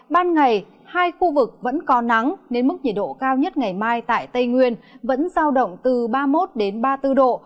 ban ngày hai khu vực vẫn có nắng nên mức nhiệt độ cao nhất ngày mai tại tây nguyên vẫn giao động từ ba mươi một ba mươi bốn độ